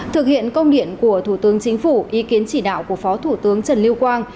thực hiện công điện của thủ tướng chính phủ ý kiến chỉ đạo của phó thủ tướng trần lưu quang